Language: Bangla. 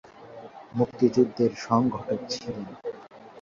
মুক্তিযুদ্ধের সংগঠক ছিলেন।